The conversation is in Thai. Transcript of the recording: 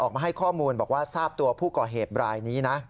ออกมาให้ข้อมูลบอกว่าทราบตัวผู้ก่อเหตุรายนี้นะ